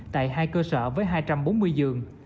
tại hai cơ sở với hai trăm bốn mươi giường